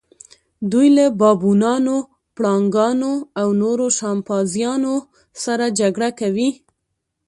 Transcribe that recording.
دوی له بابونانو، پړانګانو او نورو شامپانزیانو سره جګړه کوي.